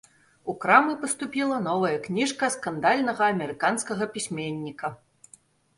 У крамы паступіла новая кніжка скандальнага амерыканскага пісьменніка.